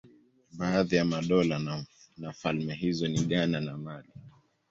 Baadhi ya madola na falme hizo ni Ghana na Mali.